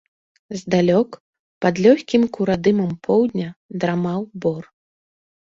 Здалёк, пад лёгкім курадымам поўдня, драмаў бор.